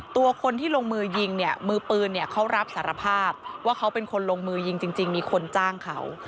ตัวคนที่ลงมือยิงเนี่ยมือปืนเนี่ยเขารับสารภาพว่าเขาเป็นคนลงมือยิงจริงมีคนจ้างเขา